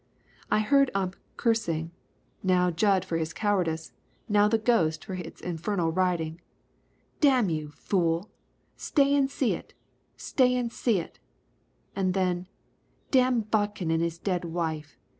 I heard Ump cursing, now Jud for his cowardice, now the ghost for its infernal riding. "Damn you, fool! Stay an' see it. Stay an' see it." And then, "Damn Bodkin an' his dead wife!